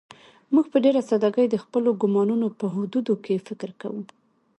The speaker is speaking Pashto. موږ په ډېره سادهګۍ د خپلو ګومانونو په حدودو کې فکر کوو.